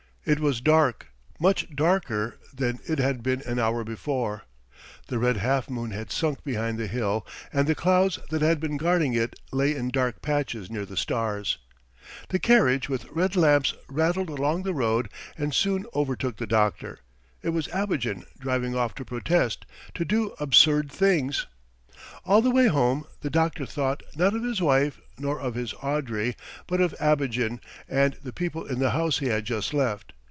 It was dark, much darker than it had been an hour before. The red half moon had sunk behind the hill and the clouds that had been guarding it lay in dark patches near the stars. The carriage with red lamps rattled along the road and soon overtook the doctor. It was Abogin driving off to protest, to do absurd things. ... All the way home the doctor thought not of his wife, nor of his Andrey, but of Abogin and the people in the house he had just left.